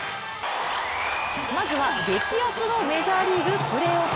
まずは激アツのメジャーリーグ・プレーオフ。